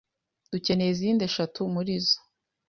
Dukeneye izindi eshatu murizo.